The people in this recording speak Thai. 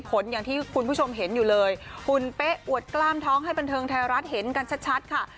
อย่างที่คุณผู้ชมเห็นอยู่เลยหุ่นเป๊ะอวดกล้ามท้องให้บันเทิงไทยรัฐเห็นกันชัดค่ะ